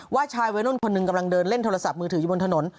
ชายวัยรุ่นคนหนึ่งกำลังเดินเล่นโทรศัพท์มือถืออยู่บนถนน